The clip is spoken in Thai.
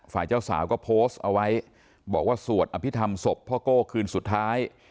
ฝ่ายเจ้าสาวก็โพสต์เอาไว้บอกว่าสวดอภิษฐรรมศพพ่อโก้คืนสุดท้าย